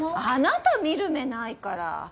あなた見る目ないから。